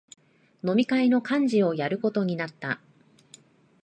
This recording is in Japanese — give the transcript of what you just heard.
飲み会の幹事をやることになった